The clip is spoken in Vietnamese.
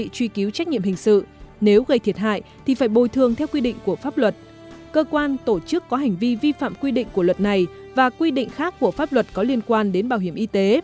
quyết định của luật này và quy định khác của pháp luật có liên quan đến bảo hiểm y tế